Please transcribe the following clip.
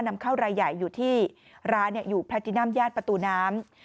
นำเข้ารายใหญ่อยู่ที่ร้านอยู่แพทินัมญาติประตูน้ำ